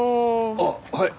あっはい。